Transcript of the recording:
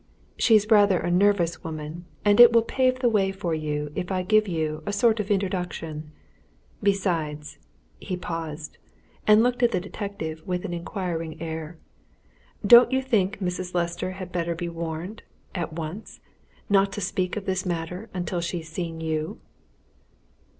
She's rather a nervous woman and it will pave the way for you if I give you a sort of introduction. Besides " here he paused, and looked at the detective with an inquiring air "don't you think Mrs. Lester had better be warned at once not to speak of this matter until she's seen you?"